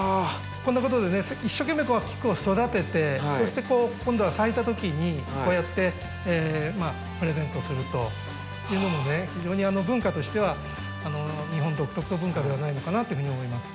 こんなことでね一生懸命菊を育ててそして今度は咲いた時にこうやってプレゼントするというのもね非常に文化としては日本独特の文化ではないのかなというふうに思います。